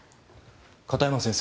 片山先生。